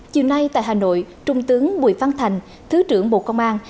chiều nay tại hà nội trung tướng bùi văn thành thứ trưởng bộ công an